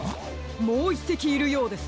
もう１せきいるようです。